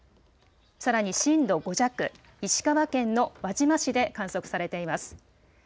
さらに震度５弱、石川県の輪島市で観測されています。